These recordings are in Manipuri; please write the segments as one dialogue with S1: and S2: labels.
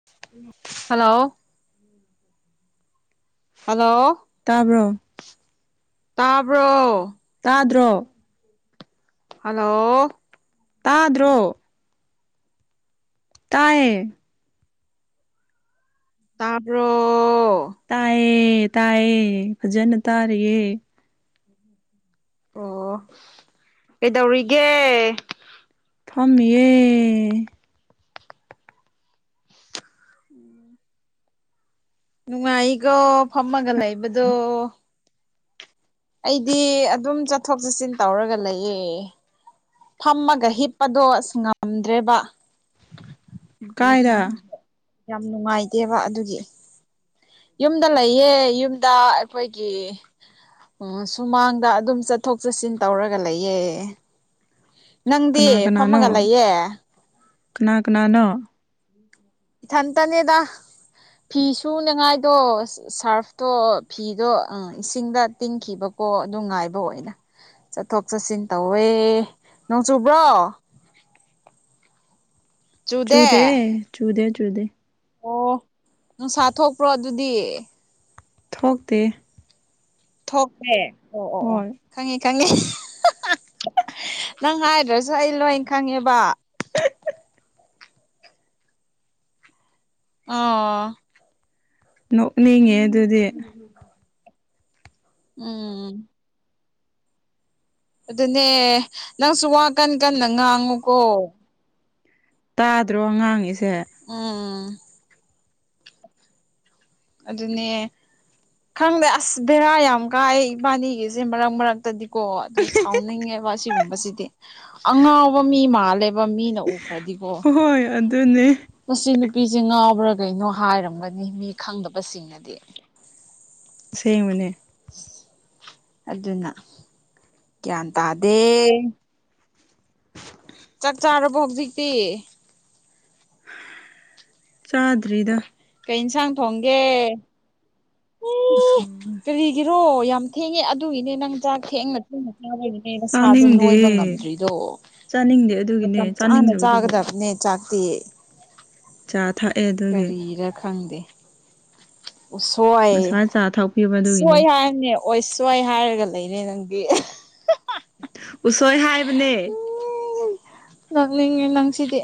S1: [unintelligible]
S2: ꯍꯜꯂꯣ
S1: [unintelligible]
S2: ꯍꯜꯂꯣ
S1: ꯇꯥꯕ꯭ꯔꯣ
S2: ꯇꯥꯕ꯭ꯔꯣ
S1: ꯇꯥꯗ꯭ꯔꯣ
S2: ꯍꯜꯂꯣ
S1: ꯇꯥꯗ꯭ꯔꯣ ꯇꯥꯏꯌꯦ
S2: ꯇꯥꯕ꯭ꯔꯣ
S1: ꯇꯥꯏꯌꯦ ꯇꯥꯏꯌꯦ ꯐꯖꯅ ꯇꯥꯔꯤꯌꯦ
S2: ꯑꯣ ꯀꯩꯗꯧꯔꯤꯒꯦ
S1: ꯐꯝꯃꯤꯌꯦ
S2: ꯅꯨꯡꯉꯥꯏꯌꯦꯒꯣ ꯐꯝꯃꯒ ꯂꯩꯕꯗꯣ ꯑꯩꯗꯤ ꯑꯗꯨꯝ ꯆꯠꯊꯣꯛ ꯆꯠꯁꯤꯟ ꯇꯧꯔꯒ ꯂꯩꯌꯦ ꯐꯝꯃꯒ ꯍꯤꯞꯄꯗꯣ ꯑꯁ ꯉꯝꯗ꯭ꯔꯦꯕ
S1: ꯀꯥꯏꯗ
S2: ꯌꯥꯝ ꯅꯨꯡꯉꯥꯏꯇꯦꯕ ꯑꯗꯨꯒꯤ ꯌꯨꯝꯗ ꯂꯩꯌꯦ ꯌꯨꯝꯗ ꯑꯩꯈꯣꯏꯒꯤ ꯑꯣ ꯁꯨꯃꯥꯡꯗ ꯑꯗꯨꯝ ꯆꯠꯊꯣꯛ ꯆꯠꯁꯤꯟ ꯇꯧꯔꯒ ꯂꯩꯌꯦ ꯅꯪꯗꯤ
S1: ꯀꯅꯥ
S2: ꯐꯝꯃꯒ
S1: ꯀꯅꯥꯅꯣ
S2: ꯂꯩꯌꯦ
S1: ꯀꯅꯥ ꯀꯅꯥꯅꯣ [unintelligible]
S2: ꯏꯊꯟꯇꯅꯦꯗ ꯐꯤ ꯁꯨꯅꯤꯡꯉꯥꯏꯗꯣ ꯑꯁ ꯁꯥꯔꯐꯇꯣ ꯐꯤꯗꯣ ꯑ ꯏꯁꯤꯡꯗ ꯇꯤꯡꯈꯤꯕꯀꯣ ꯑꯗꯨ ꯉꯥꯏꯕ ꯑꯣꯏꯅ ꯆꯠꯊꯣꯛ ꯆꯠꯁꯤꯟ ꯇꯧꯋꯦ ꯅꯣꯡ ꯆꯨꯕ꯭ꯔꯣ ꯆꯨꯗꯦ
S1: ꯆꯨꯗꯦꯌꯦ ꯆꯨꯗꯦ ꯆꯨꯗꯦ
S2: ꯑꯣ ꯅꯨꯡꯁꯥ ꯊꯣꯛꯄ꯭ꯔꯣ ꯑꯗꯨꯗꯤ
S1: ꯊꯣꯛꯇꯦ
S2: ꯊꯣꯛꯇ꯭ꯔꯦ ꯑꯣ ꯑꯣ ꯑꯣ
S1: ꯍꯣꯏ
S2: ꯈꯪꯉꯦ ꯈꯪꯉ__ ꯈꯪꯉꯦ [unintelligible] ꯅꯪ ꯍꯥꯏꯗ꯭ꯔꯁꯨ ꯑꯩ ꯂꯣꯏꯅ ꯈꯪꯉꯦꯕ
S1: [unintelligible]
S2: ꯑꯣ
S1: ꯅꯣꯛꯅꯤꯡꯉꯦ ꯑꯗꯨꯗꯤ
S2: ꯎꯝ ꯑꯗꯨꯅꯦ ꯅꯪꯁꯨ ꯋꯥ ꯀꯟ ꯀꯟꯅ ꯉꯥꯡꯉꯨꯀꯣ
S1: ꯇꯥꯗ꯭ꯔꯣ ꯉꯥꯡꯉꯤꯁꯦ
S2: ꯎꯝ ꯑꯗꯨꯅꯦ ꯈꯪꯗꯦ ꯑꯁ ꯕꯦꯔꯥ ꯌꯥꯝ ꯀꯥꯏꯑꯦ ꯏꯕꯥꯅꯤꯒꯤꯁꯦ ꯃꯔꯛ ꯃꯔꯛꯇꯗꯤ ꯀꯣ ꯑꯗꯨ ꯁꯥꯎꯅꯤꯡꯉꯦꯕ ꯑꯁꯤꯒꯨꯝꯕꯁꯤꯗꯤ ꯑꯉꯥꯎꯕ ꯃꯤ ꯃꯥꯜꯂꯦꯕ ꯃꯤꯅ ꯎꯈ꯭ꯔꯗꯤꯀꯣ
S1: ꯍꯣꯏ ꯑꯗꯨꯅꯦ
S2: ꯃꯁꯤ ꯅꯨꯄꯤꯁꯦ ꯉꯥꯎꯕ꯭ꯔꯥ ꯀꯩꯅꯣ ꯍꯥꯏꯔꯝꯒꯅꯤ ꯃꯤ ꯈꯪꯗꯕꯁꯤꯡꯅꯗꯤ
S1: ꯑꯁꯦꯡꯕꯅꯦ
S2: ꯑꯗꯨꯅ ꯒ꯭ꯌꯥꯟ ꯇꯥꯗꯦ ꯆꯥꯛ ꯆꯥꯔꯕꯣ ꯍꯧꯖꯤꯛꯇꯤ
S1: ꯆꯥꯗ꯭ꯔꯤꯗ
S2: ꯀꯩ ꯏꯟꯁꯥꯡ ꯊꯣꯡꯒꯦ
S1: ꯎꯁꯨ
S2: ꯀꯔꯤꯒꯤꯔꯣ ꯌꯥꯝ ꯊꯦꯡꯉꯦ ꯑꯗꯨꯒꯤꯅꯦ ꯅꯪ ꯆꯥꯛ ꯊꯦꯡꯅ ꯊꯦꯡꯅ ꯆꯥ ꯑꯦ ꯅꯁꯥꯗꯣ
S1: ꯆꯥꯅꯤꯡꯗꯦ
S2: ꯅꯣꯏꯕ ꯉꯝꯗ꯭ꯔꯤꯗꯣ
S1: ꯆꯥꯅꯤꯡꯗꯦ ꯑꯗꯨꯒꯤꯅꯦ
S2: ꯃꯇꯝ ꯆꯥꯅ
S1: ꯆꯥꯅꯤꯡꯗꯕꯗꯨꯕꯨ
S2: ꯆꯥꯒꯗꯕꯅꯦ ꯆꯥꯛꯇꯤ
S1: ꯆꯥ ꯊꯥꯛꯑꯦ
S2: ꯀꯔꯤꯔ ꯈꯪꯗꯦ ꯎꯁꯣꯏ
S1: ꯉꯁꯥꯏ ꯆꯥ ꯊꯛꯄꯤꯕ ꯑꯗꯨꯒꯤꯅꯦ
S2: ꯁꯣꯏ ꯍꯥꯏꯕꯅꯦ ꯑꯣꯏꯁꯣꯏ ꯍꯥꯏꯔꯒ ꯂꯩꯔꯦ ꯅꯪꯗꯤ
S1: ꯎꯁꯣꯏ ꯍꯥꯏꯕꯅꯦ
S2: ꯅꯣꯛꯅꯤꯉꯦ ꯅꯪꯁꯤꯗꯦ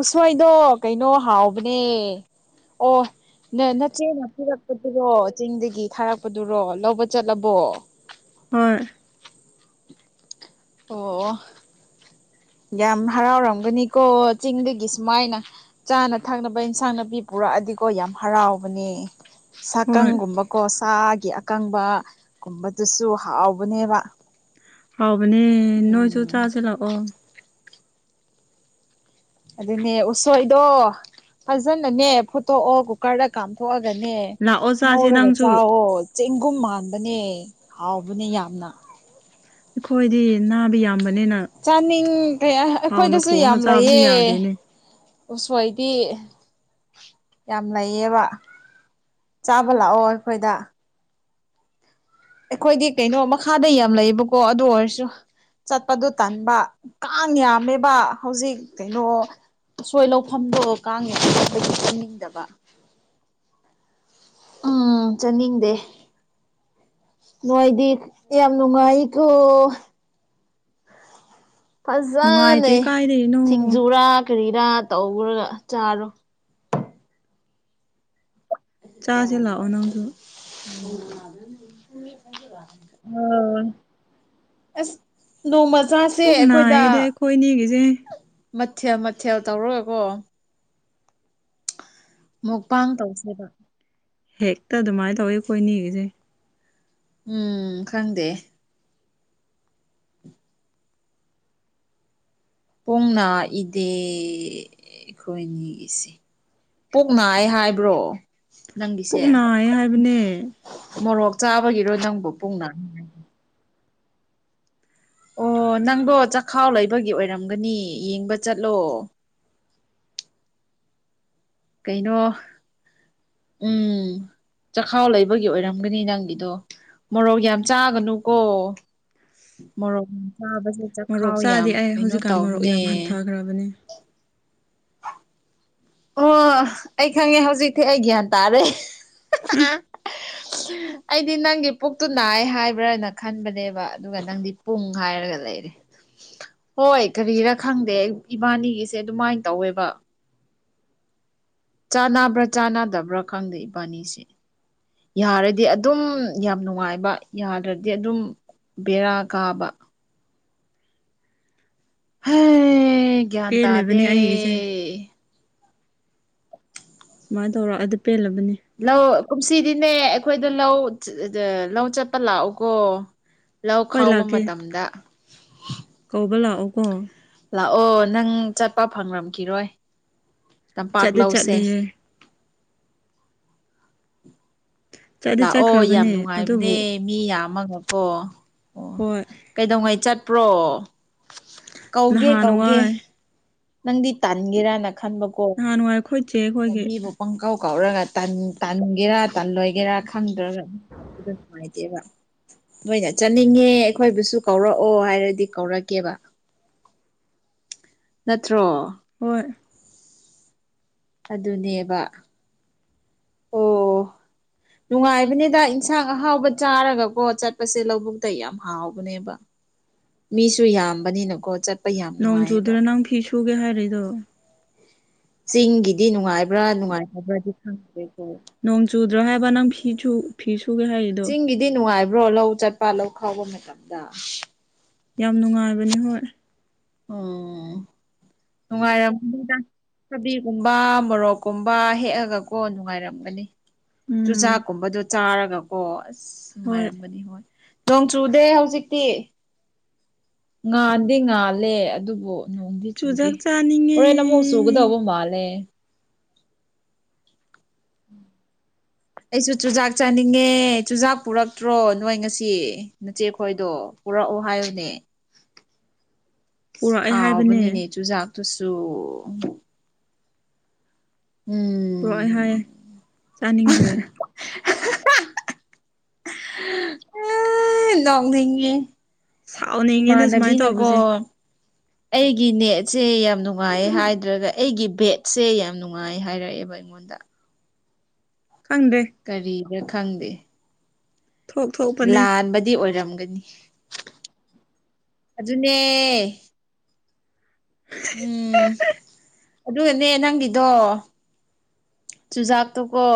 S2: ꯎꯁꯣꯏꯗꯣ ꯀꯩꯅꯣ ꯍꯥꯎꯕꯅꯦ ꯑꯣ ꯅ ꯅꯆꯦꯅꯄꯤꯔꯛꯄꯗꯨꯔꯣ ꯆꯤꯡꯗꯒꯤ ꯊꯥꯔꯛꯄꯗꯨꯔꯣ ꯂꯧꯕ ꯆꯠꯂꯕꯣ
S1: ꯍꯣꯢ
S2: ꯑꯣ ꯌꯥꯝ ꯍꯔꯥꯎꯔꯝꯒꯅꯤꯀꯣ ꯆꯤꯡꯗꯒꯤ ꯁꯨꯃꯥꯏꯅ ꯆꯥꯅ ꯊꯛꯅꯕ ꯏꯟꯁꯥꯡ ꯅꯥꯄꯤ ꯄꯨꯔꯛꯑꯗꯤꯀꯣ ꯌꯥꯝ ꯍꯔꯥꯎꯕꯅꯦ
S1: ꯍꯣꯏ
S2: ꯁꯥꯀꯪꯒꯨꯝꯕꯀꯣ ꯁꯥꯒꯤ ꯑꯀꯪꯕꯒꯨꯝꯕꯗꯨꯁꯨ ꯍꯥꯎꯕꯅꯦꯕ
S1: ꯍꯥꯎꯕꯅꯦ ꯅꯣꯏꯁꯨ
S2: ꯎꯝ
S1: ꯆꯁꯤ ꯂꯥꯛꯑꯣ
S2: ꯑꯗꯨꯅꯦ ꯎꯁꯣꯏꯗꯣ ꯐꯖꯅꯅꯦ ꯐꯨꯠꯇꯣꯛꯑꯣ ꯀꯨꯀꯔꯗ ꯀꯥꯝꯊꯣꯛꯑꯒꯅꯦ
S1: ꯂꯥꯛꯑꯣ ꯆꯥꯁꯦ
S2: ꯉꯧꯔꯒ
S1: ꯅꯪꯁꯨ
S2: ꯆꯥꯛꯋꯣ ꯆꯦꯡꯒꯨꯝ ꯃꯥꯟꯕꯅꯦ ꯍꯥꯎꯕꯅꯦ ꯌꯥꯝꯅ
S1: ꯑꯩꯈꯣꯏꯗꯤ ꯅꯥꯕ ꯌꯥꯝꯕꯅꯤꯅ
S2: ꯆꯥꯅꯤꯡ ꯗꯦ
S1: ꯍꯥꯎꯅ
S2: ꯑꯩꯈꯣꯏꯗꯁꯨ
S1: ꯊꯣꯡꯉꯒ
S2: ꯌꯥꯝ
S1: ꯆꯥꯕꯁꯨ
S2: ꯂꯩꯌꯦ
S1: ꯌꯥꯗꯦꯅꯦ
S2: ꯎꯁꯣꯏꯗꯤ ꯌꯥꯝ ꯂꯩꯌꯦꯕ ꯆꯥꯕ ꯂꯥꯛꯑꯣ ꯑꯩꯈꯣꯏꯗ ꯑꯩꯈꯣꯏꯗꯤ ꯀꯩꯅꯣ ꯃꯈꯥꯗ ꯌꯥꯝ ꯂꯩꯌꯦꯕꯀꯣ ꯑꯗꯨ ꯑꯣꯏꯔꯁꯨ ꯆꯠꯄꯗꯨ ꯇꯟꯕ ꯀꯥꯡ ꯌꯥꯝꯃꯦꯕ ꯍꯧꯖꯤꯛ ꯀꯩꯅꯣ ꯑꯁꯣꯏ ꯂꯧꯐꯝꯗꯣ ꯀꯥꯡꯉꯦꯗꯤ ꯆꯪꯅꯤꯡꯗꯕ ꯎꯝ ꯆꯠꯅꯤꯡꯗꯦ ꯅꯣꯏꯗꯤ ꯌꯥꯝ ꯅꯨꯡꯉꯥꯏꯀꯣ ꯐꯖꯅ
S1: ꯅꯨꯡꯉꯥꯏꯇꯦ ꯀꯥꯏꯗꯩꯅꯣ
S2: ꯁꯤꯡꯖꯨꯔꯥ ꯀꯔꯤꯔꯥ ꯇꯧꯈ꯭ꯔꯒ ꯆꯥꯔꯣ
S1: ꯆꯥꯁꯦ ꯂꯥꯛꯑꯣ ꯅꯪꯁꯨ
S2: ꯍꯣ ꯑꯁ ꯅꯣꯡꯃ ꯆꯥꯁꯦ
S1: ꯄꯨꯛ
S2: ꯑꯩꯈꯣꯏꯗ
S1: ꯅꯥꯏꯌꯦꯗ ꯑꯩꯈꯣꯏꯅꯤꯒꯤꯁꯦ
S2: ꯃꯊꯦꯜ ꯃꯊꯦꯜ ꯇꯧꯔꯒꯀꯣ ꯃꯨꯛꯄꯥꯡ ꯇꯧꯁꯦꯕ
S1: ꯍꯦꯛꯇ ꯑꯗꯨꯃꯥꯏꯅ ꯇꯧꯋꯤ ꯑꯩꯈꯣꯏꯅꯤꯒꯤꯁꯦ
S2: ꯎꯝ ꯈꯪꯗꯦ ꯄꯨꯡꯅ ꯏꯇꯦ ꯑꯩꯈꯣꯏꯅꯤ ꯏꯆꯦ ꯄꯣꯛ ꯅꯥꯏ ꯍꯥꯏꯕ꯭ꯔꯣ
S1: ꯄꯨꯛ
S2: ꯅꯪꯒꯤꯁꯦ
S1: ꯅꯥꯏꯌꯦ ꯍꯥꯏꯕꯅꯦ
S2: ꯃꯣꯔꯣꯛ ꯆꯥꯕꯒꯤꯔꯣ ꯅꯪꯕꯨ ꯄꯨꯡꯅ ꯑꯣ ꯅꯪꯗꯣ ꯆꯈꯥꯎ ꯂꯩꯕꯒꯤ ꯑꯣꯏꯔꯝꯒꯅꯤ ꯌꯦꯡꯕ ꯆꯠꯂꯣ ꯀꯩꯅꯣ ꯎꯝ ꯆꯈꯥꯎ ꯂꯩꯕꯒꯤ ꯑꯣꯏꯔꯝꯒꯅꯤ ꯅꯪꯒꯤꯗꯣ ꯃꯣꯔꯣꯛ ꯌꯥꯝ ꯆꯥꯒꯅꯨꯀꯣ ꯃꯣꯔꯣꯛ ꯌꯥꯝ ꯆꯥꯕꯁꯦ
S1: ꯃꯣꯔꯣꯛ
S2: ꯆꯈꯥꯎ
S1: ꯆꯥꯗꯦ
S2: ꯌꯥꯝ
S1: ꯑꯩ
S2: ꯀꯩꯅꯣ
S1: ꯍꯧꯖꯤꯛꯀꯥꯟ ꯃꯣꯔꯣꯛ
S2: ꯇꯧꯕꯅꯦ
S1: ꯌꯥꯝ [unintelligible]
S2: ꯑꯣ ꯑꯩ ꯈꯪꯉꯦ ꯍꯧꯖꯤꯛꯇꯤ ꯑꯩ ꯒ꯭ꯌꯥꯟ ꯇꯥꯔꯦ [unintelligible] ꯑꯩꯗꯤ ꯅꯪꯒꯤ ꯄꯨꯛꯇꯨ ꯅꯥꯏ ꯍꯥꯏꯕ꯭ꯔꯅ ꯈꯟꯕꯅꯦꯕ ꯑꯗꯨꯒ ꯅꯪꯗꯤ ꯄꯨꯡ ꯍꯥꯏꯔꯒ ꯂꯩ ꯍꯣꯏ ꯀꯔꯤꯔꯥ ꯈꯪꯗꯦ ꯏꯕꯥꯅꯤꯒꯤꯁꯦ ꯑꯗꯨꯃꯥꯏꯅ ꯇꯧꯋꯦꯕ ꯆꯥꯟꯅꯕ꯭ꯔꯥ ꯆꯥꯅꯗꯕ꯭ꯔꯥ ꯈꯪꯗꯦ ꯏꯕꯥꯅꯤꯁꯦ ꯌꯥꯔꯗꯤ ꯑꯗꯨꯝ ꯌꯥꯝ ꯅꯨꯡꯉꯥꯏꯕ ꯌꯥꯗ꯭ꯔꯗꯤ ꯑꯗꯨꯝ ꯕꯦꯔꯥ ꯀꯥꯕ ꯍꯩ ꯒ꯭ꯌꯥꯟ
S1: ꯄꯦꯜꯂꯤꯕꯅꯦ
S2: ꯇꯥꯗꯦ
S1: ꯑꯩꯒꯤꯁꯦ ꯁꯨꯃꯥꯏꯅ ꯇꯧꯔ ꯑꯗꯨ ꯄꯦꯜꯂꯕꯅꯤ
S2: ꯂꯧ ꯀꯨꯝꯁꯤꯗꯤꯅꯦ ꯑꯩꯈꯣꯏꯗ ꯂꯧ ꯂꯧ ꯆꯠꯄ ꯂꯥꯛꯑꯣꯀꯣ ꯂꯧ
S1: ꯍꯣꯏ
S2: ꯈꯥꯎꯕ
S1: ꯂꯥꯛꯀꯦ
S2: ꯃꯇꯝꯗ
S1: ꯀꯧꯕ ꯂꯥꯛꯑꯣꯀꯣ
S2: ꯂꯥꯛꯑꯣ ꯅꯪ ꯆꯠꯄ ꯐꯪꯔꯝꯈꯤꯔꯣꯏ ꯇꯝꯄꯥꯛ
S1: ꯆꯠꯇꯤ
S2: ꯂꯧꯁꯦ
S1: ꯆꯠꯂꯤꯍꯦ ꯆꯠꯗꯤ
S2: ꯂꯥꯛꯑꯣ ꯌꯥꯝ
S1: ꯆꯠꯈ꯭ꯔꯕꯅꯦ ꯑꯗꯨꯕꯨ
S2: ꯅꯨꯡꯉꯥꯏꯕꯅꯦ ꯃꯤ ꯌꯥꯝꯃꯒꯀꯣ ꯑꯣ
S1: ꯍꯣꯏ
S2: ꯀꯩꯗꯧꯉꯩ ꯆꯠꯄ꯭ꯔꯣ ꯀꯧꯒꯦ
S1: ꯅꯍꯥꯟ
S2: ꯀꯧꯒꯦ
S1: ꯋꯥꯏ
S2: ꯅꯪꯗꯤ ꯇꯥꯟꯒꯦꯔꯅ ꯈꯟꯕꯀꯣ
S1: ꯅꯨꯍꯥꯟꯋꯥꯏ ꯑꯩꯈꯣꯏꯆꯦ ꯈꯣꯏꯒꯤ
S2: ꯃꯤꯕꯨ ꯄꯪꯀꯧ ꯀꯧꯔꯒ ꯇꯟꯒꯦꯔꯥ ꯇꯜꯂꯣꯏꯒꯦꯔꯥ ꯈꯪꯗ꯭ꯔꯒ [unintelligible] ꯅꯨꯡꯉꯥꯏꯇꯦꯕ ꯅꯣꯏꯅ ꯆꯠꯅꯤꯡꯉꯦ ꯑꯩꯈꯣꯏꯕꯨꯁꯨ ꯀꯧꯔꯛꯑꯣ ꯍꯥꯏꯔꯗꯤ ꯀꯧꯔꯛꯀꯦꯕ ꯅꯠꯇ꯭ꯔꯣ
S1: ꯍꯣꯏ
S2: ꯑꯗꯨꯅꯦꯕ ꯑꯣ
S1: [inaudible]
S2: ꯅꯨꯡꯉꯥꯏꯕꯅꯤꯗ ꯏꯟꯁꯥꯡ ꯑꯍꯥꯎꯕ ꯆꯥꯔꯒꯀꯣ ꯆꯠꯄꯁꯦ ꯂꯧꯕꯨꯛꯇ ꯌꯥꯝ ꯍꯥꯎꯕꯅꯦꯕ ꯃꯤꯁꯨ ꯌꯥꯝꯕꯅꯤꯅꯀꯣ ꯆꯠ
S1: ꯅꯣꯡ ꯆꯨꯗ꯭ꯔꯥ ꯅꯪ ꯐꯤ ꯁꯨꯒꯦ ꯍꯥꯏꯔꯤꯗꯣ
S2: ꯆꯤꯡꯒꯤꯗꯤ ꯅꯨꯡꯉꯥꯏꯕ꯭ꯔꯥ ꯅꯨꯡꯉꯥꯏꯇꯕ꯭ꯔꯥꯗꯤ ꯈꯪꯗꯦꯀꯣ
S1: ꯅꯣꯡ ꯆꯨꯗ꯭ꯔꯣ ꯍꯥꯏꯕ ꯅꯪ ꯐꯤꯁꯨ ꯐꯤ ꯁꯨꯒꯦ ꯍꯥꯏ
S2: ꯆꯤꯡꯒꯤꯗꯤ ꯅꯨꯡꯉꯥꯏꯕ꯭ꯔꯣ ꯂꯧ ꯆꯠꯄ ꯂꯧ ꯈꯥꯎꯕ ꯃꯇꯝꯗ
S1: ꯌꯥꯝ ꯅꯨꯡꯉꯥꯏꯕꯅꯦ ꯍꯣꯏ
S2: ꯑꯣ ꯅꯨꯡꯉꯥꯏꯔꯒꯅꯤꯗ ꯊꯕꯤꯒꯨꯝꯕ ꯃꯣꯔꯣꯛꯀꯨꯝꯕ ꯍꯦꯛꯑꯒꯀꯣ ꯅꯨꯡꯉꯥꯏꯔꯝꯒꯅꯤ
S1: ꯎꯝ
S2: ꯆꯨꯖꯥꯛꯀꯨꯝꯕꯗꯣ ꯆꯥꯔꯒꯀꯣ ꯑꯁ
S1: ꯍꯣꯏ
S2: ꯅꯨꯡꯉꯥꯏꯔꯝꯒꯅꯤ ꯍꯣꯏ ꯅꯣꯡ ꯆꯨꯗꯦ ꯍꯧꯖꯤꯛꯇꯤ ꯉꯥꯟꯥꯟꯗꯤ ꯉꯥꯜꯂꯦ ꯑꯗꯨꯕꯨ ꯅꯣꯡ ꯆꯨꯗꯤ
S1: ꯆꯨꯖꯥꯛ ꯆꯥꯅꯤꯡꯉꯦ
S2: ꯍꫭꯔꯦꯟ ꯑꯃꯨꯛ ꯆꯨꯒꯗꯧꯕ ꯃꯥꯜꯂꯦ
S1: [inaudible]
S2: ꯑꯩꯁꯨ ꯆꯨꯖꯥꯛ ꯆꯥꯅꯤꯡꯉꯦ ꯆꯨꯖꯥꯛ ꯄꯨꯔꯛꯇ꯭ꯔꯣ ꯅꯣꯏ ꯉꯁꯤ ꯅꯆꯦꯈꯣꯏꯗꯣ ꯄꯨꯔꯛꯑꯣ ꯍꯥꯏꯌꯨꯅꯦ
S1: ꯄꯨꯔꯛꯑꯦ ꯍꯥꯏꯕꯅꯦ
S2: ꯍꯥꯎꯕꯅꯤꯅꯦ ꯆꯨꯖꯥꯛ ꯇꯨꯁꯨ ꯎꯝ
S1: ꯄꯔꯛꯑ ꯍꯥꯏ ꯆꯥꯅꯤꯡꯈ꯭ꯔꯦ
S2: ꯎꯝ ꯅꯣꯡꯅꯤꯡꯉꯤ
S1: ꯁꯥꯎꯅꯤꯡꯉꯦꯗ ꯁꯨꯃꯥꯏꯅ
S2: ꯏꯃꯥꯟꯅꯕꯤꯅꯀꯣ
S1: ꯇꯧꯕꯁꯦ
S2: ꯑꯩꯒꯤ ꯅꯦꯠꯁꯦ ꯌꯥꯝ ꯅꯨꯡꯉꯥꯏ ꯍꯥꯏꯗ꯭ꯔꯒ ꯑꯩꯒꯤ ꯕꯦꯠꯁꯦ ꯌꯥꯝ ꯅꯨꯡꯉꯥꯏ ꯍꯥꯏꯔꯛꯑꯦꯕ ꯉꯗ
S1: ꯈꯪꯗꯦ
S2: ꯀꯔꯤꯗ ꯈꯪꯗꯦ
S1: ꯊꯣꯛ ꯊꯣꯛꯄꯅꯦ
S2: ꯂꯥꯟꯕꯗꯤ ꯑꯣꯏꯔꯝꯒꯅꯤ ꯑꯗꯨꯅꯦ ꯎꯝ ꯑꯗꯨꯒꯅꯦ ꯅꯪꯒꯤꯗꯣ ꯆꯨꯖꯥꯛꯇꯨ ꯀꯣ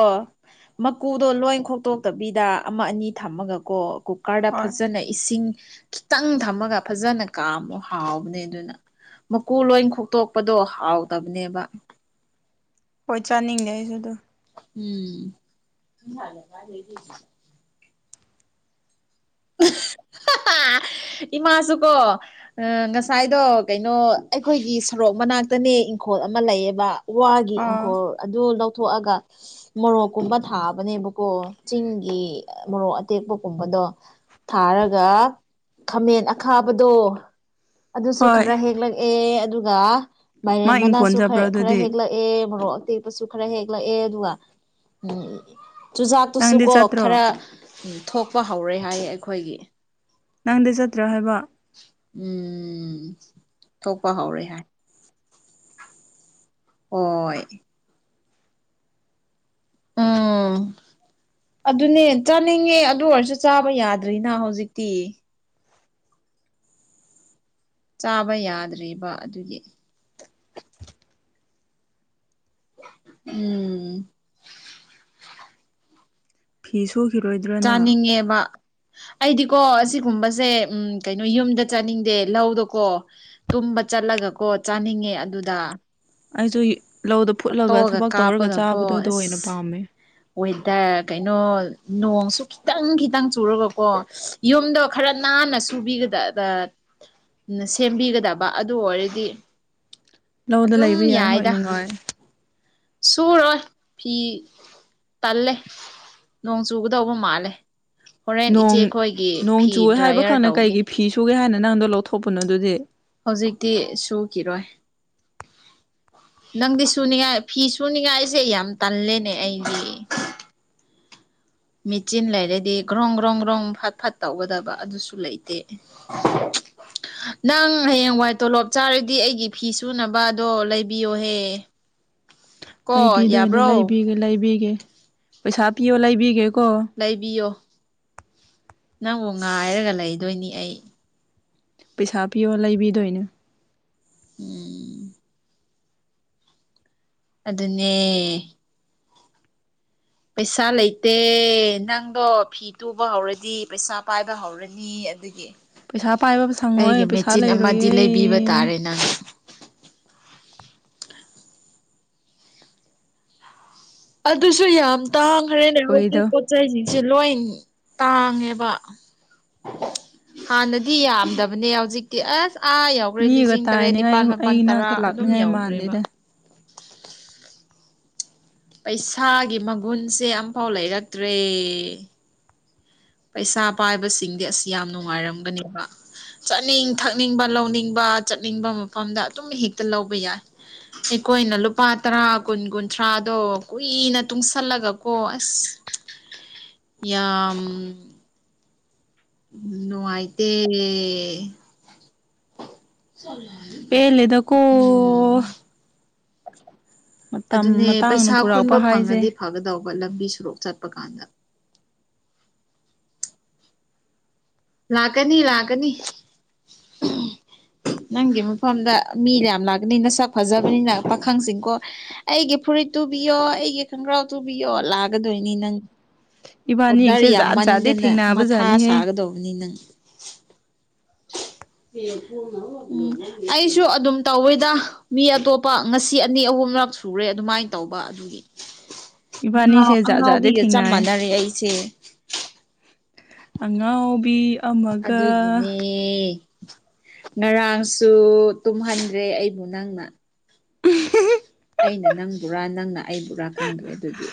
S2: ꯃꯀꯨꯗꯣ ꯂꯣꯏ ꯈꯣꯛꯇꯣꯛꯇꯕꯤꯗ ꯑꯃ ꯑꯅꯤ ꯊꯝꯃꯒꯀꯣ ꯀꯨꯀꯔꯗ
S1: ꯍꯣꯏ
S2: ꯐꯖꯅꯩ ꯏꯁꯤꯡ ꯈꯤꯇꯪ ꯊꯝꯃꯒ ꯐꯖꯅ ꯀꯥꯝꯃ ꯍꯥꯎꯕꯅꯦ ꯑꯗꯨꯅ ꯃꯀꯨ ꯂꯣꯏ ꯈꯣꯛꯇꯣꯛꯄꯗꯣ ꯍꯥꯎꯗꯕꯅꯦꯕ
S1: ꯍꯣꯏ ꯆꯥꯅꯤꯡꯗꯦ ꯑꯩꯁꯨ ꯑꯗꯨ
S2: ꯎꯝ [unintelligible]
S1: [inaudible]
S2: ꯏꯃꯥꯁꯨ ꯀꯣ ꯑ ꯉꯁꯥꯏꯗꯣ ꯀꯩꯅꯣ ꯑꯩꯈꯣꯏꯒꯤ ꯁꯣꯔꯣꯛ ꯃꯅꯥꯛꯇꯅꯦ ꯏꯪꯈꯣꯜ ꯑꯃ ꯂꯩꯌꯦꯕ ꯋꯥꯒꯤ
S1: ꯑꯥ
S2: ꯏꯪꯈꯣꯜ ꯑꯗꯨ ꯂꯧꯊꯣꯛꯑꯒ ꯃꯣꯔꯣꯛꯀꯨꯝꯕ ꯊꯥꯕꯅꯦꯕꯀꯣ ꯆꯤꯡꯒꯤ ꯃꯣꯔꯣꯛ ꯑꯇꯦꯛꯄꯒꯨꯝꯕꯗꯣ ꯊꯥꯔꯒ- ꯈꯥꯃꯦꯟ ꯑꯈꯥꯕꯗꯣ ꯑꯗꯨꯁꯨ
S1: ꯍꯣꯏ
S2: ꯈꯔ ꯍꯦꯛꯂꯛꯑꯦ ꯑꯗꯨꯒ
S1: ꯃꯥ
S2: ꯃꯥꯏꯔꯦꯟ
S1: ꯏꯪꯈꯣꯜ
S2: ꯃꯅꯥꯁꯨ
S1: ꯆꯠꯄ꯭ꯔꯣ
S2: ꯈꯔ ꯈꯔ
S1: ꯑꯗꯨꯗꯤ
S2: ꯍꯦꯛꯂꯛ ꯑꯦ ꯃꯔꯣꯔꯣꯛ ꯑꯇꯦꯛꯄꯁꯨ ꯈꯔ ꯍꯦꯛꯂꯛꯑꯦ ꯑꯗꯨꯒ ꯎꯝ ꯆꯨꯖꯥꯛꯇꯨꯁꯨ
S1: ꯅꯪꯗꯤ
S2: ꯀꯣ
S1: ꯆꯠꯇ꯭ꯔꯣ
S2: ꯈꯔ ꯊꯣꯛꯄ ꯍꯧꯔꯦ ꯍꯥꯏ ꯑꯩꯈꯣꯏꯒꯤ
S1: ꯅꯪꯗꯤ ꯆꯠꯇ꯭ꯔꯣ ꯍꯥꯏꯕ
S2: ꯎꯝ ꯊꯣꯛꯄ ꯍꯧꯥꯎꯔꯦ ꯍꯥꯏ ꯍꯣꯏ ꯎꯝ ꯑꯗꯨꯅꯦ ꯆꯥꯅꯤꯡꯉꯦ ꯑꯗꯨ ꯑꯣꯏꯔꯁꯨ ꯆꯥꯕ ꯌꯥꯗ꯭ꯔꯤꯅ ꯍꯧꯖꯤꯛꯇꯤ ꯆꯥꯕ ꯌꯥꯗ꯭ꯔꯤꯕ ꯑꯗꯨꯒꯤ ꯎꯝ
S1: ꯐꯤ ꯁꯨꯈꯤꯔꯣꯏꯗ꯭ꯔꯅ
S2: ꯆꯥꯅꯤꯡꯉꯦꯕ ꯑꯩꯗꯤꯀꯣ ꯑꯁꯤꯒꯨꯝꯕꯁꯦ ꯎꯝ ꯀꯩꯅꯣ ꯌꯨꯝꯗ ꯆꯠꯅꯤꯡꯗꯦ ꯂꯧꯗꯀꯣ ꯇꯨꯝꯕ ꯆꯠꯂꯒ ꯀꯣ ꯆꯥꯅꯤꯡꯉꯦ ꯑꯗꯨꯗ
S1: ꯑꯩꯁꯨ ꯂꯧꯗ ꯐꯨꯠꯂꯒ
S2: ꯐꯣꯇꯣꯒ
S1: ꯊꯕꯛ ꯇꯧꯔꯒ
S2: ꯀꯥꯞꯄꯒꯀꯣ
S1: ꯆꯥꯕꯗꯣꯗꯣ
S2: ꯑꯁ
S1: ꯑꯣꯏꯅ ꯄꯥꯝꯃꯦ
S2: ꯋꯦꯗꯔ ꯀꯩꯅꯣ ꯅꯣꯡꯁꯨ ꯈꯤꯇꯪ ꯈꯤꯇꯪ ꯆꯨꯔꯒꯀꯣ ꯌꯨꯝꯗꯣ ꯈꯔ ꯅꯥꯟꯅ ꯁꯨꯕꯤꯒꯗꯗ ꯁꯦꯝꯕꯤꯒꯗꯕ ꯑꯗꯨ ꯑꯣꯏꯔꯗꯤ
S1: ꯂꯧꯗ
S2: ꯑꯗꯨꯝ
S1: ꯂꯩꯕ ꯌꯥꯏ ꯍꯣꯏ
S2: ꯌꯥꯏꯗ
S1: ꯅꯨꯡꯉꯥꯏ
S2: ꯁꯨꯔꯣꯏ ꯐꯤ ꯇꯜꯂꯦ ꯅꯣꯡ ꯆꯨꯒꯗꯧꯕ ꯃꯥꯜꯂꯦ ꯍꯣꯔꯦꯟ
S1: ꯅꯣꯡ
S2: ꯏꯆꯦꯈꯣꯏꯒꯤ
S1: ꯅꯣꯡ
S2: ꯐꯤ
S1: ꯆꯨꯑꯦ ꯍꯥꯏꯕ
S2: ꯗ꯭ꯔꯥꯏꯌꯔ
S1: ꯈꯪꯅ
S2: ꯇꯧꯒꯦ
S1: ꯀꯩꯒꯤ ꯐꯤ ꯁꯨꯒꯦ ꯍꯥꯏꯅ ꯅꯪꯗꯣ ꯂꯧꯊꯣꯛꯄꯅꯣ ꯑꯗꯨꯗꯤ
S2: ꯍꯧꯖꯤꯛꯇꯤ ꯁꯨꯈꯤꯔꯣꯏ ꯅꯪꯗꯤ ꯁꯨꯅꯤꯡꯉꯥꯏ ꯐꯤ ꯁꯨꯅꯤꯡꯉꯥꯏꯁꯦ ꯌꯥꯝ ꯇꯜꯂꯦꯅꯦ ꯑꯩꯗꯤ ꯃꯦꯆꯤꯟ ꯂꯩꯔꯗꯤ ꯒ꯭ꯔꯣꯡ ꯒ꯭ꯔꯣꯡ ꯒ꯭ꯔꯣꯡ ꯐꯠ ꯐꯠ ꯇꯧꯒꯗꯕ ꯑꯗꯨꯁꯨ ꯂꯩꯇꯦ
S1: [inaudible]
S2: ꯅꯪ ꯍꯌꯦꯡꯋꯥꯏ ꯇꯣꯂꯣꯞ ꯆꯥꯔꯗꯤ ꯑꯩꯒꯤ ꯐꯤ ꯁꯨꯅꯕꯗꯣ ꯂꯩꯕꯤꯌꯣꯍꯦ ꯀꯣ
S1: ꯂꯩꯕꯤꯗꯣꯏꯅꯦ
S2: ꯌꯥꯕ꯭ꯔꯣ
S1: ꯂꯩꯕꯤꯒꯦ ꯂꯩꯕꯤꯒꯦ ꯄꯩꯁꯥ ꯄꯤꯌꯣ ꯂꯩꯕꯤꯒꯦꯀꯣ
S2: ꯂꯩꯕꯤꯌꯣ ꯅꯪꯕꯨ ꯉꯥꯏꯔꯒ ꯂꯩꯗꯣꯏꯅꯤ ꯑꯩ
S1: ꯄꯩꯁꯥ ꯄꯤꯌꯣ ꯂꯩꯕꯤꯗꯣꯏꯅꯦ
S2: ꯎꯝ ꯑꯗꯨꯅꯦ ꯄꯩꯁꯥ ꯂꯩꯇꯦ ꯅꯪꯗꯣ ꯐꯤ ꯇꯨꯕ ꯍꯧꯔꯗꯤ ꯄꯩꯁꯥ ꯄꯥꯏꯕ ꯍꯧꯔꯅꯤ ꯑꯗꯨꯒꯤ
S1: ꯄꯩꯁꯥ ꯄꯥꯏꯕ ꯁꯪꯉꯣꯏ
S2: ꯑꯩꯒꯤ
S1: ꯄꯩꯁꯥ
S2: ꯃꯦꯆꯤꯟ ꯑꯃꯗꯤ
S1: ꯂꯩꯔꯣꯏꯌꯦ
S2: ꯂꯩꯕꯤꯕ ꯇꯥꯔꯦꯅ ꯑꯗꯨꯁꯨ ꯌꯥꯝ ꯇꯥꯡꯈ꯭ꯔꯦꯅꯦ
S1: ꯑꯣꯏꯗꯣ
S2: ꯍꯧꯖꯤꯛꯄꯨ ꯆꯩꯁꯤꯡꯁꯦ ꯂꯣꯏ ꯇꯥꯡꯉꯦꯕ ꯍꯥꯟꯅꯗꯤ ꯌꯥꯝꯗꯕꯅꯦ ꯍꯧꯖꯤꯛꯇꯤ ꯑꯁ ꯑꯥ ꯌꯥꯎ ꯍꯣꯔꯦꯜ
S1: ꯃꯤꯒ
S2: ꯂꯤꯁꯤꯡ ꯇꯔꯦꯠ
S1: ꯇꯥꯏꯅꯤꯉꯥꯏ
S2: ꯅꯤꯄꯥꯜ ꯃꯥꯄꯜ
S1: ꯑꯩ
S2: ꯇꯔꯥ
S1: ꯅꯥꯛꯇ
S2: ꯑꯗꯨꯝ
S1: ꯂꯥꯛꯅꯤꯡꯉꯥꯏ
S2: ꯌꯧꯈ꯭ꯔꯦꯕ
S1: ꯃꯥꯟꯗꯦꯗ
S2: ꯄꯩꯁꯥꯒꯤ ꯃꯒꯨꯟꯁꯦ ꯑꯝꯐꯥꯎ ꯂꯩꯔꯛꯇ꯭ꯔꯦ ꯄꯩꯁꯥ ꯄꯥꯏꯕꯁꯤꯡꯗꯤ ꯑꯁ ꯌꯥꯝ ꯅꯨꯡꯉꯥꯏꯔꯝꯒꯅꯦꯕ ꯆꯥꯠꯅꯤꯡ ꯊꯛꯅꯤꯡꯕ ꯂꯧꯅꯤꯡꯕ ꯆꯠꯅꯤꯡꯕ ꯃꯐꯝꯗ ꯑꯗꯨꯝ ꯍꯦꯛꯇ ꯂꯧꯕ ꯌꯥꯏ ꯑꯩꯈꯣꯏꯅ ꯂꯨꯄꯥ ꯇꯔꯥ ꯀꯨꯟ ꯀꯨꯟꯊ꯭ꯔꯥꯗꯣ ꯀꯨꯏꯅ ꯇꯨꯡꯁꯜꯂꯒꯀꯣ ꯑꯁ
S1: [inaudible]
S2: ꯌꯥꯝ ꯎ ꯅꯨꯡꯉꯥꯏꯇꯦ ꯎꯝ
S1: ꯄꯦꯜꯂꯦꯗꯀꯣ ꯃꯇꯝ
S2: ꯑꯗꯨꯅꯦ
S1: ꯃꯇꯥꯡꯅ
S2: ꯄꯩꯁꯥ
S1: ꯄꯨꯔꯛꯄ
S2: ꯈꯨꯟꯕ
S1: ꯍꯥꯏꯁꯦ
S2: ꯐꯪꯉꯗꯤ ꯐꯒꯗꯧꯕ ꯂꯝꯕꯤ ꯁꯣꯔꯣꯛ ꯆꯠꯄ ꯀꯥꯟꯗ ꯂꯥꯛꯀꯅꯤ ꯂꯥꯛꯀꯅꯤ ꯅꯪꯒꯤ ꯃꯐꯝꯗ ꯃꯤ ꯌꯥꯝ ꯂꯥꯛꯀꯅꯤ ꯅꯁꯛ ꯐꯖꯕꯅꯤꯅ ꯄꯥꯈꯪꯁꯤꯡꯀꯣ ꯑꯩꯒꯤ ꯐꯨꯔꯤꯠ ꯇꯨꯕꯤꯌꯣ ꯑꯩꯒꯤ ꯈꯪꯒ꯭ꯔꯥꯎ ꯇꯨꯕꯤꯌꯣ ꯂꯥꯛꯒꯗꯣꯏꯅꯤ ꯅꯪ ꯑꯣꯗꯔ
S1: ꯏꯕꯥꯅꯤꯁꯦ ꯖꯥꯠ ꯖꯥꯗꯤ ꯊꯦꯡꯅꯕꯖꯅꯤꯍꯦ
S2: ꯗꯧꯕꯅꯤ ꯅꯪ ꯎꯝ ꯑꯩꯁꯨ ꯑꯗꯨꯝ ꯇꯧꯋꯤꯗ ꯃꯤ ꯑꯇꯣꯞꯄ ꯉꯁꯤ ꯑꯅꯤ ꯑꯍꯨꯝꯂꯛ ꯁꯨꯔꯦ ꯑꯗꯨꯃꯥꯏꯅ ꯇꯧꯕ ꯑꯗꯨꯒꯤ
S1: ꯏꯕꯥꯅꯤꯁꯦ ꯖꯥꯠ ꯖꯥꯗꯤ ꯊꯦꯡꯅꯩꯑꯦ
S2: ꯑꯩ ꯑꯩꯁꯦ
S1: ꯑꯉꯥꯎꯕꯤ ꯑꯃꯒ
S2: ꯑꯗꯨꯒꯤꯅꯦ ꯑꯦ ꯉꯔꯥꯡꯁꯨ ꯇꯨꯝꯍꯟꯗ꯭ꯔꯦ ꯑꯩꯕꯨ ꯅꯪꯅ
S1: ꯎꯝ ꯍꯨꯍꯨ
S2: ꯑꯩꯅ ꯅꯪꯕꯨꯔꯥ ꯅꯪꯅ ꯑꯩꯕꯨꯔꯥ ꯈꯪꯗ꯭ꯔꯦ ꯑꯗꯨꯗꯤ